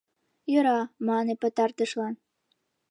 — Йӧра, — мане пытартышлан.